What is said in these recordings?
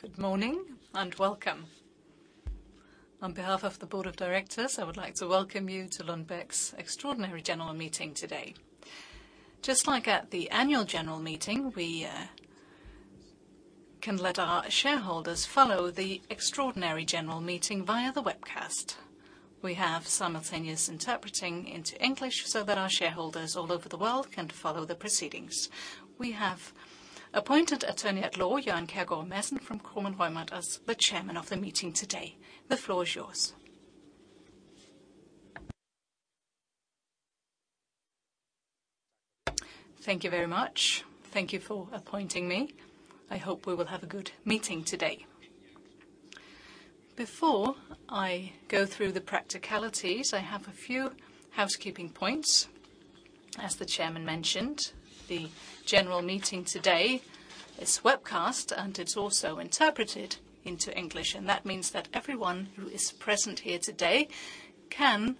Good morning, and welcome. On behalf of the Board of Directors, I would like to welcome you to Lundbeck's Extraordinary General Meeting today. Just like at the Annual General Meeting, we can let our shareholders follow the Extraordinary General Meeting via the webcast. We have simultaneous interpreting into English so that our shareholders all over the world can follow the proceedings. We have appointed Attorney at Law Jan Kjærgaard Madsen from Kromann Reumert as the chairman of the meeting today. The floor is yours. Thank you very much. Thank you for appointing me. I hope we will have a good meeting today. Before I go through the practicalities, I have a few housekeeping points. As the chairman mentioned, the general meeting today is webcast, and it's also interpreted into English, and that means that everyone who is present here today can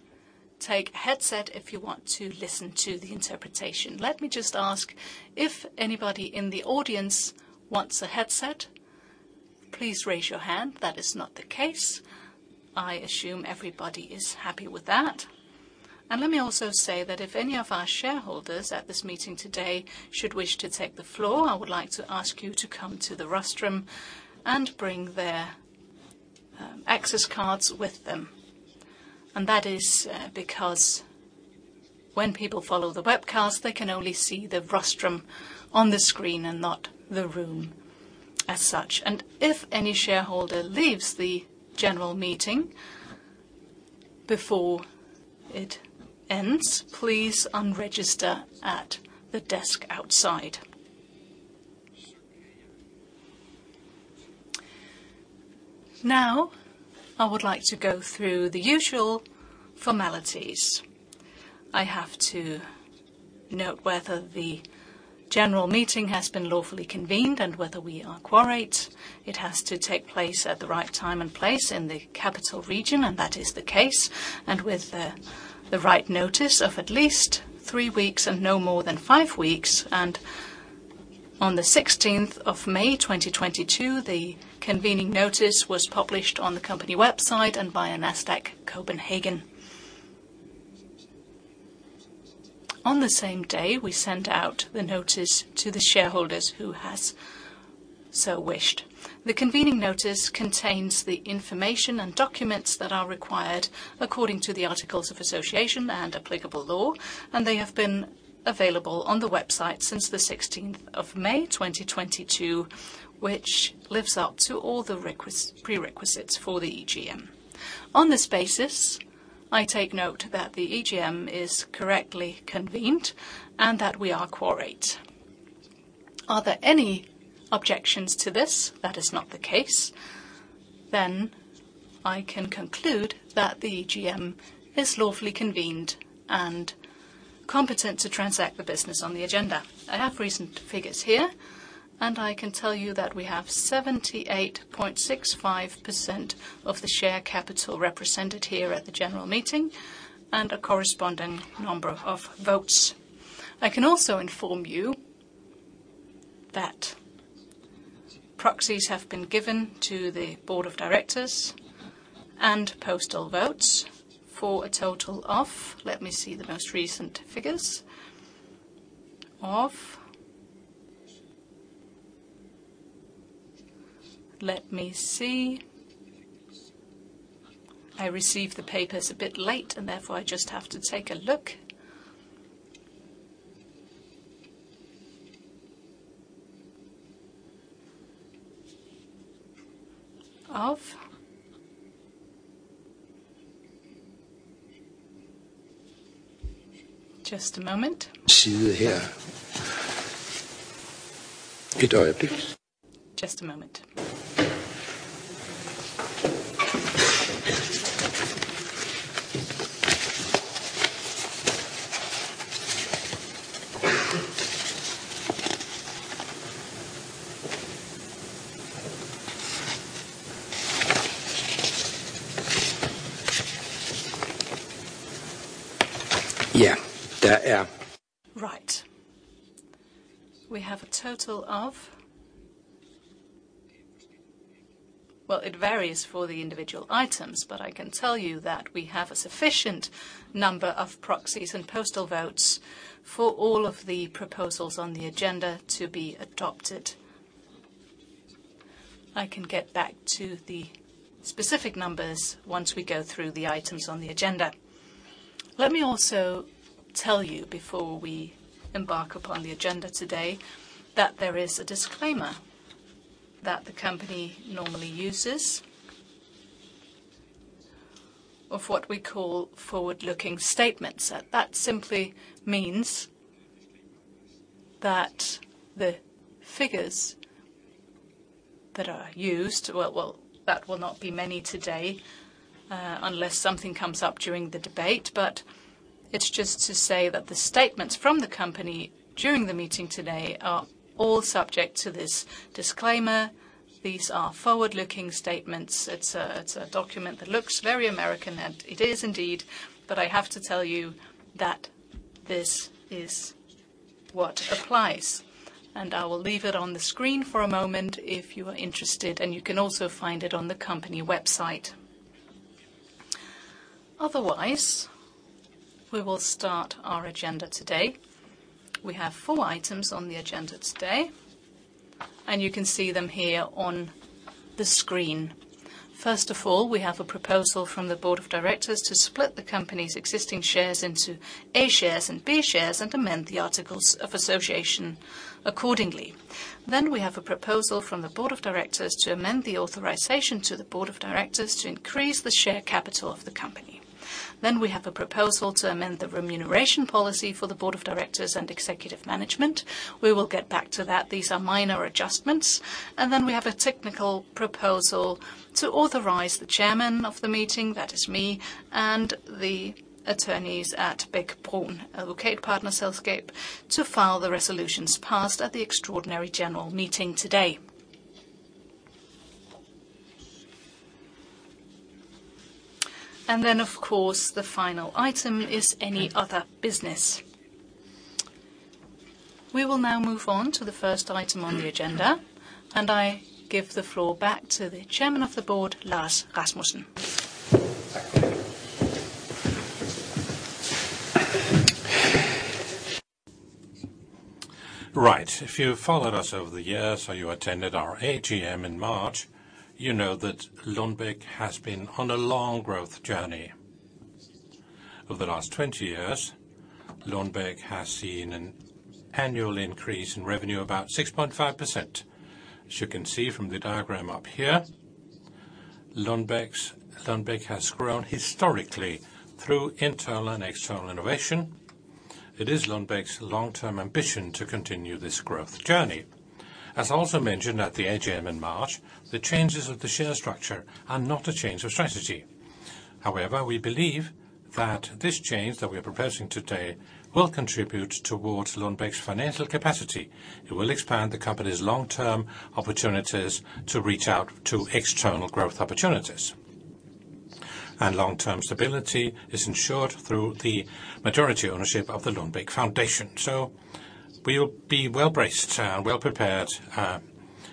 take a headset if you want to listen to the interpretation. Let me just ask, if anybody in the audience wants a headset, please raise your hand. That is not the case. I assume everybody is happy with that. And let me also say that if any of our shareholders at this meeting today should wish to take the floor, I would like to ask you to come to the rostrum and bring their access cards with them. And that is because when people follow the webcast, they can only see the rostrum on the screen and not the room as such. And if any shareholder leaves the general meeting before it ends, please unregister at the desk outside. Now, I would like to go through the usual formalities. I have to note whether the general meeting has been lawfully convened and whether we are quorate. It has to take place at the right time and place in the Capital Region, and that is the case, and with the right notice of at least three weeks and no more than five weeks, and on the sixteenth of May, 2022, the convening notice was published on the company website and via Nasdaq Copenhagen. On the same day, we sent out the notice to the shareholders who have so wished. The convening notice contains the information and documents that are required according to the articles of association and applicable law, and they have been available on the website since the sixteenth of May, 2022, which lives up to all the prerequisites for the EGM. On this basis, I take note that the EGM is correctly convened, and that we are quorate. Are there any objections to this? That is not the case. Then I can conclude that the EGM is lawfully convened and competent to transact the business on the agenda. I have recent figures here, and I can tell you that we have 78.65% of the share capital represented here at the general meeting, and a corresponding number of votes. I can also inform you that proxies have been given to the board of directors and postal votes for a total of... Let me see the most recent figures. I received the papers a bit late, and therefore, I just have to take a look. We have a total of... Well, it varies for the individual items, but I can tell you that we have a sufficient number of proxies and postal votes for all of the proposals on the agenda to be adopted. I can get back to the specific numbers once we go through the items on the agenda. Let me also tell you, before we embark upon the agenda today, that there is a disclaimer that the company normally uses of what we call forward-looking statements. That simply means that the figures that are used, well, that will not be many today, unless something comes up during the debate, but it's just to say that the statements from the company during the meeting today are all subject to this disclaimer. These are forward-looking statements. It's a document that looks very American, and it is indeed, but I have to tell you that this is what applies, and I will leave it on the screen for a moment if you are interested, and you can also find it on the company website. Otherwise, we will start our agenda today. We have four items on the agenda today, and you can see them here on the screen. First of all, we have a proposal from the board of directors to split the company's existing shares into A shares and B shares and amend the articles of association accordingly, then we have a proposal from the board of directors to amend the authorization to the board of directors to increase the share capital of the company, then we have a proposal to amend the remuneration policy for the board of directors and executive management. We will get back to that. These are minor adjustments. And then we have a technical proposal to authorize the chairman of the meeting, that is me, and the attorneys at Bech-Bruun Advokatpartnerselskab, to file the resolutions passed at the extraordinary general meeting today. And then, of course, the final item is any other business. We will now move on to the first item on the agenda, and I give the floor back to the Chairman of the Board, Lars Rasmussen. Right. If you've followed us over the years or you attended our AGM in March, you know that Lundbeck has been on a long growth journey. Over the last twenty years, Lundbeck has seen an annual increase in revenue, about 6.5%. As you can see from the diagram up here, Lundbeck has grown historically through internal and external innovation. It is Lundbeck's long-term ambition to continue this growth journey. As also mentioned at the AGM in March, the changes of the share structure are not a change of strategy. However, we believe that this change that we are proposing today will contribute towards Lundbeck's financial capacity. It will expand the company's long-term opportunities to reach out to external growth opportunities. And long-term stability is ensured through the majority ownership of the Lundbeck Foundation. So we will be well-braced, well-prepared,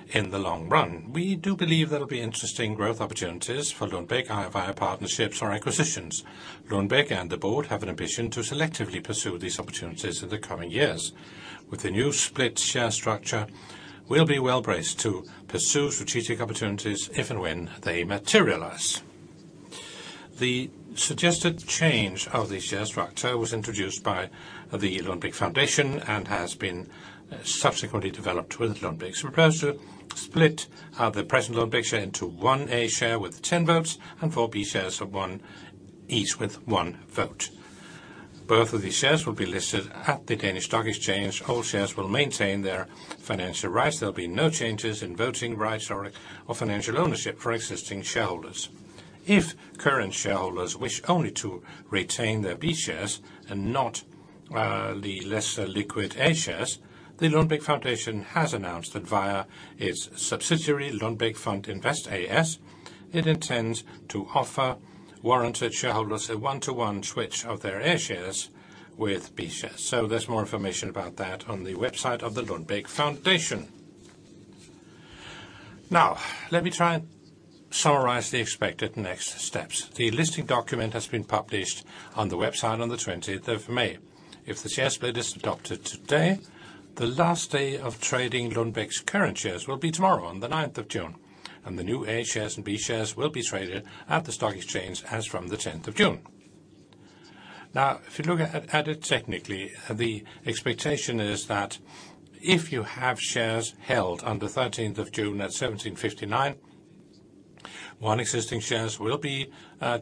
in the long run. We do believe there will be interesting growth opportunities for Lundbeck via partnerships or acquisitions. Lundbeck and the board have an ambition to selectively pursue these opportunities in the coming years. With the new split share structure, we'll be well-braced to pursue strategic opportunities if and when they materialize. The suggested change of the share structure was introduced by the Lundbeck Foundation and has been subsequently developed with Lundbeck's proposal. Split the present Lundbeck share into one A share with 10 votes and four B shares each with one vote. Both of these shares will be listed at the Danish Stock Exchange. All shares will maintain their financial rights. There'll be no changes in voting rights or financial ownership for existing shareholders. If current shareholders wish only to retain their B shares and not the lesser liquid A shares, the Lundbeck Foundation has announced that via its subsidiary, Lundbeckfond Invest A/S, it intends to offer warranted shareholders a one-to-one switch of their A shares with B shares. There's more information about that on the website of the Lundbeck Foundation. Now, let me try and summarize the expected next steps. The listing document has been published on the website on the twentieth of May. If the share split is adopted today, the last day of trading Lundbeck's current shares will be tomorrow, on the ninth of June, and the new A shares and B shares will be traded at the stock exchange as from the tenth of June. Now, if you look at it technically, the expectation is that if you have shares held on the thirteenth of June at 5:59 P.M., one existing shares will be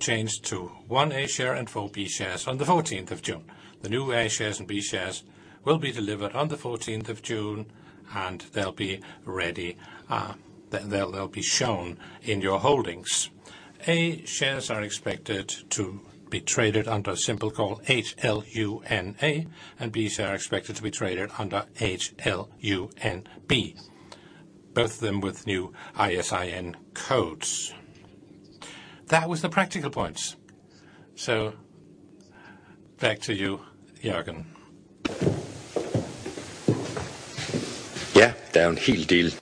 changed to one A share and four B shares on the fourteenth of June. The new A shares and B shares will be delivered on the fourteenth of June, and they'll be ready, they'll be shown in your holdings. A shares are expected to be traded under a symbol called HLUNA, and B shares are expected to be traded under HLUNB, both of them with new ISIN codes. That was the practical points. So back to you, Jan. Yeah, nonetheless.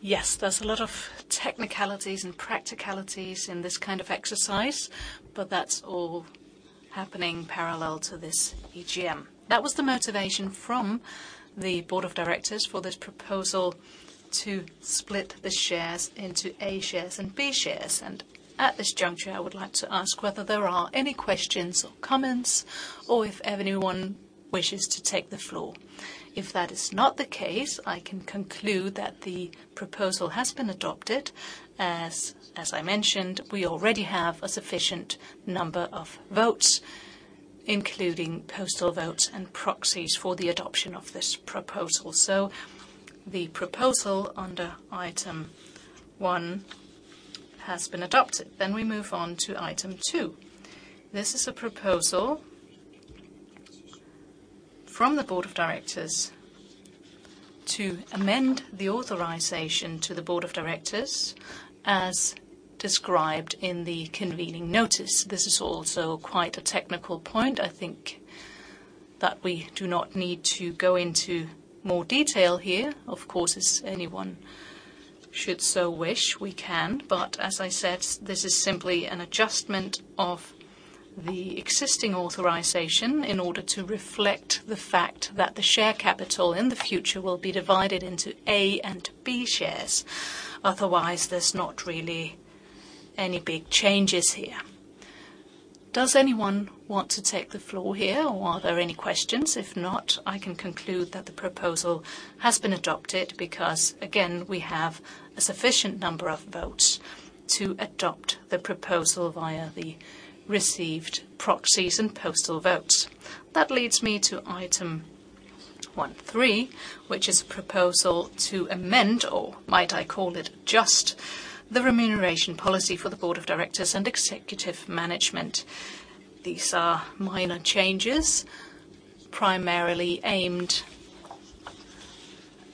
Yes, there's a lot of technicalities and practicalities in this kind of exercise, but that's all happening parallel to this AGM. That was the motivation from the board of directors for this proposal to split the shares into A shares and B shares. And at this juncture, I would like to ask whether there are any questions or comments or if anyone wishes to take the floor. If that is not the case, I can conclude that the proposal has been adopted. As, as I mentioned, we already have a sufficient number of votes, including postal votes and proxies, for the adoption of this proposal. So the proposal under item one has been adopted. Then we move on to item two. This is a proposal from the board of directors to amend the authorization to the board of directors as described in the convening notice. This is also quite a technical point. I think that we do not need to go into more detail here. Of course, if anyone should so wish, we can, but as I said, this is simply an adjustment of the existing authorization in order to reflect the fact that the share capital in the future will be divided into A and B shares. Otherwise, there's not really any big changes here. Does anyone want to take the floor here, or are there any questions? If not, I can conclude that the proposal has been adopted, because, again, we have a sufficient number of votes to adopt the proposal via the received proxies and postal votes. That leads me to item one three, which is a proposal to amend, or might I call it, adjust the remuneration policy for the board of directors and executive management. These are minor changes, primarily aimed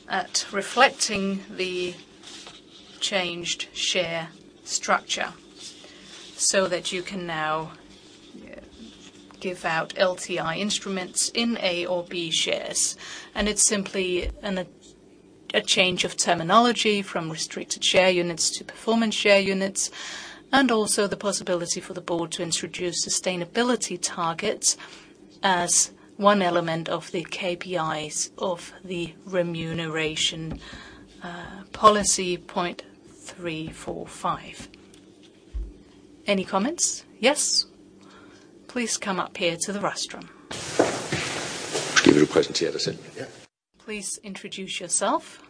at reflecting the changed share structure, so that you can now give out LTI instruments in A or B shares. And it's simply a change of terminology from restricted share units to performance share units, and also the possibility for the board to introduce sustainability targets as one element of the KPIs of the remuneration policy point three four five. Any comments? Yes. Please come up here to the rostrum. Please introduce yourself.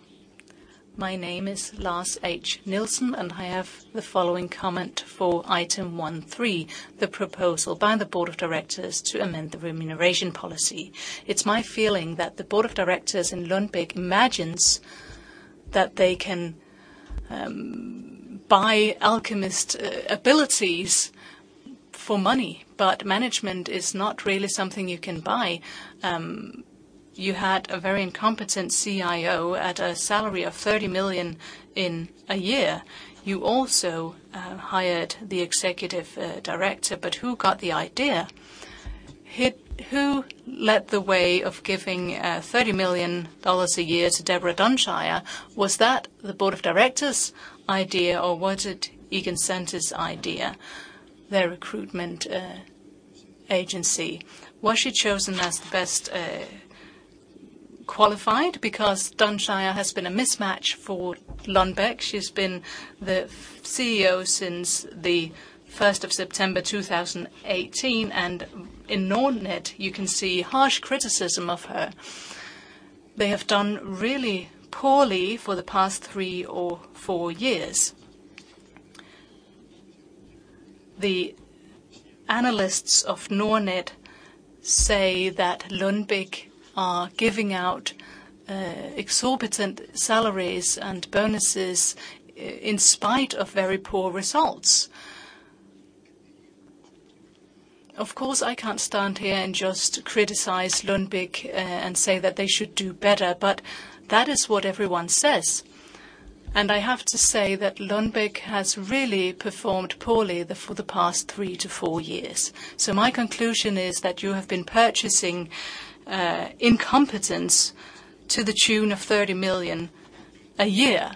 My name is Lars H. Nielsen, and I have the following comment for item one three, the proposal by the board of directors to amend the remuneration policy. It's my feeling that the board of directors in Lundbeck imagines that they can buy alchemist abilities for money, but management is not really something you can buy. You had a very incompetent CEO at a salary of 30 million in a year. You also hired the executive director, but who got the idea? Who led the way of giving $30 million a year to Deborah Dunsire? Was that the board of directors' idea, or was it Egon Zehnder's idea, their recruitment agency? Was she chosen as the best qualified? Because Dunsire has been a mismatch for Lundbeck. She's been the CEO since the first of September, 2018, and in Nordnet, you can see harsh criticism of her. They have done really poorly for the past three or four years. The analysts of Nordnet say that Lundbeck are giving out exorbitant salaries and bonuses in spite of very poor results. Of course, I can't stand here and just criticize Lundbeck and say that they should do better, but that is what everyone says. And I have to say that Lundbeck has really performed poorly for the past three to four years. So my conclusion is that you have been purchasing incompetence to the tune of 30 million DKK a year.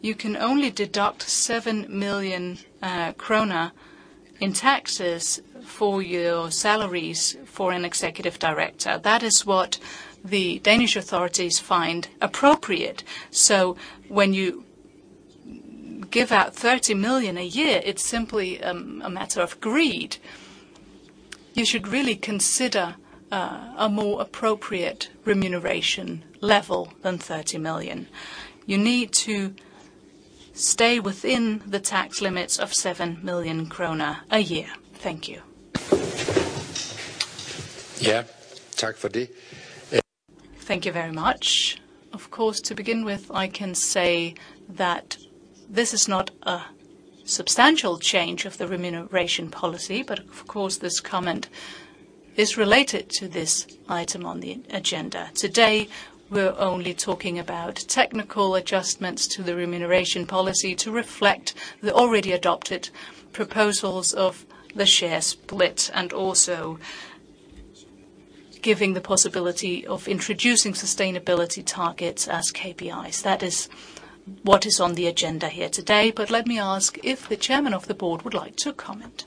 You can only deduct 7 million krone in taxes for your salaries for an executive director. That is what the Danish authorities find appropriate. So when you give out 30 million DKK a year, it's simply a matter of greed. You should really consider a more appropriate remuneration level than 30 million DKK. You need to stay within the tax limits of 7 million kroner a year. Thank you. Yeah. Thank you very much. Of course, to begin with, I can say that this is not a substantial change of the remuneration policy, but of course, this comment is related to this item on the agenda. Today, we're only talking about technical adjustments to the remuneration policy to reflect the already adopted proposals of the share split, and also giving the possibility of introducing sustainability targets as KPIs. That is what is on the agenda here today. But let me ask if the chairman of the board would like to comment.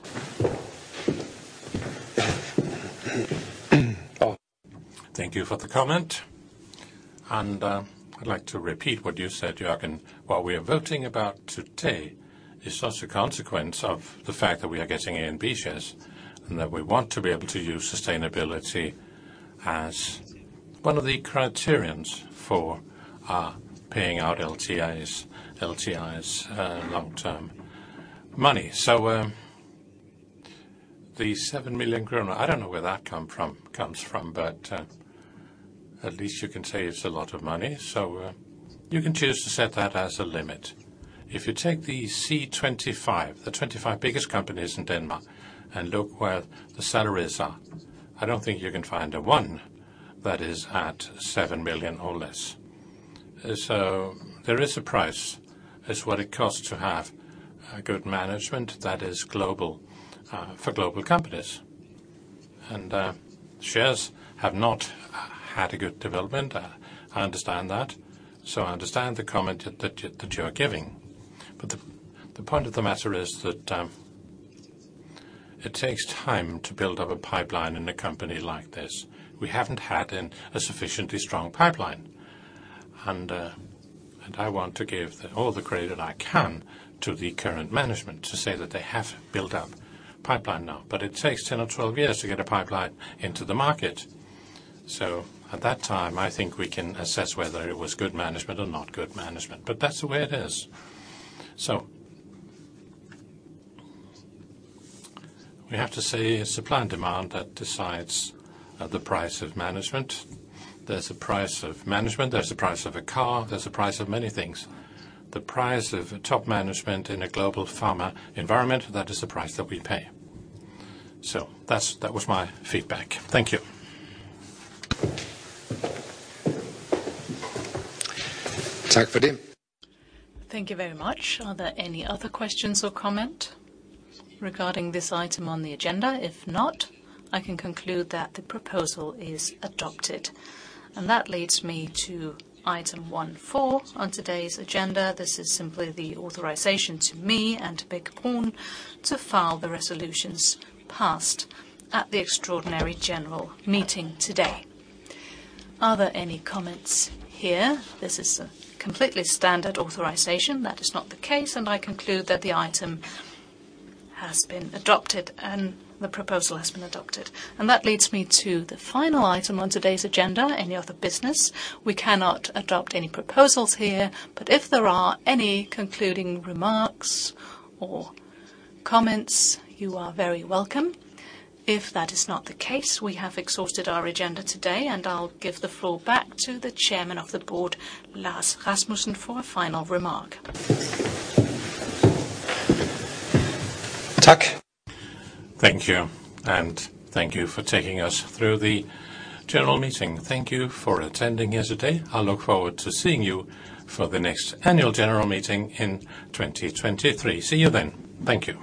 Thank you for the comment. I'd like to repeat what you said, Jan. What we are voting about today is just a consequence of the fact that we are getting A and B shares, and that we want to be able to use sustainability as one of the criterions for paying out LTIs. LTIs, long term money. The 7 million kroner, I don't know where that comes from, but at least you can say it's a lot of money. You can choose to set that as a limit. If you take the C25, the 25 biggest companies in Denmark, and look where the salaries are, I don't think you can find one that is at 7 million or less. There is a price. It's what it costs to have a good management that is global for global companies. Shares have not had a good development. I understand that, so I understand the comment that you are giving, but the point of the matter is that it takes time to build up a pipeline in a company like this. We haven't had a sufficiently strong pipeline, and I want to give all the credit I can to the current management to say that they have built up pipeline now, but it takes 10 or 12 years to get a pipeline into the market. So at that time, I think we can assess whether it was good management or not good management, but that's the way it is. So we have to say it's supply and demand that decides the price of management. There's a price of management, there's a price of a car, there's a price of many things. The price of top management in a global pharma environment, that is the price that we pay. So that was my feedback. Thank you. Tak for det. Thank you very much. Are there any other questions or comments regarding this item on the agenda? If not, I can conclude that the proposal is adopted. That leads me to item one-four on today's agenda. This is simply the authorization to me and to Birgitte Horn to file the resolutions passed at the extraordinary general meeting today. Are there any comments here? This is a completely standard authorization. That is not the case, and I conclude that the item has been adopted, and the proposal has been adopted. That leads me to the final item on today's agenda, any other business? We cannot adopt any proposals here, but if there are any concluding remarks or comments, you are very welcome. If that is not the case, we have exhausted our agenda today, and I'll give the floor back to the Chairman of the Board, Lars Rasmussen, for a final remark. Tak. Thank you, and thank you for taking us through the general meeting. Thank you for attending here today. I look forward to seeing you for the next annual general meeting in twenty twenty-three. See you then. Thank you.